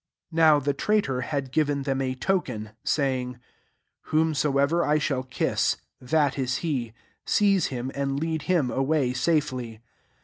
44 Now the traitor had given them a token, saying, " Whom soever I shall kiss, that is he : seize him, and lead him away safely.''